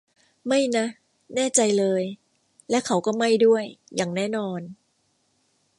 ไม่นะ แน่ใจเลย และเขาก็ไม่ด้วย อย่างแน่นอน